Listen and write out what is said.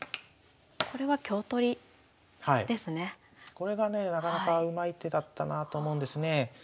これがねなかなかうまい手だったなと思うんですね。